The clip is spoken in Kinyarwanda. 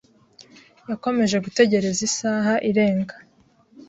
Yakomeje gutegereza isaha irenga.